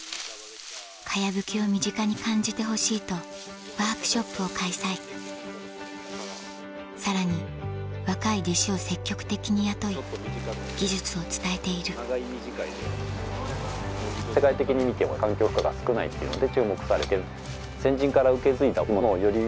茅葺きを身近に感じてほしいとさらに若い弟子を積極的に雇い技術を伝えている世界的に見ても環境負荷が少ないっていうので注目されてる。